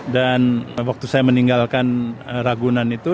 dan waktu saya meninggalkan ragunan itu